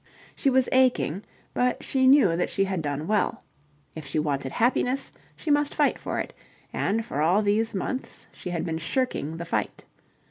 She was aching, but she knew that she had done well. If she wanted happiness, she must fight for it, and for all these months she had been shirking the fight.